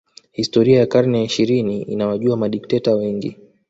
Historia ya karne ya ishirini inawajua madikteta wengi